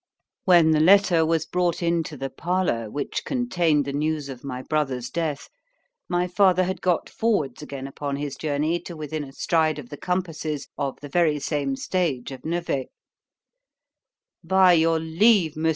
When the letter was brought into the parlour, which contained the news of my brother's death, my father had got forwards again upon his journey to within a stride of the compasses of the very same stage of Nevers.——By your leave, Mons.